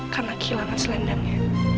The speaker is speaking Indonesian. karena kehilangan selendangnya